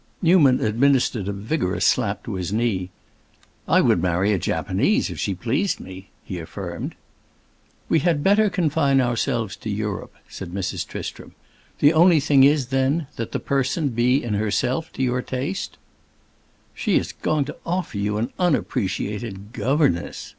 Newman administered a vigorous slap to his knee. "I would marry a Japanese, if she pleased me," he affirmed. "We had better confine ourselves to Europe," said Mrs. Tristram. "The only thing is, then, that the person be in herself to your taste?" "She is going to offer you an unappreciated governess!"